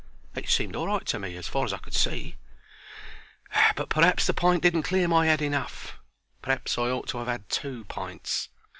It seemed all right to me as far as I could see; but p'r'aps the pint didn't clear my 'ead enough p'r'aps I ought to 'ave 'ad two pints.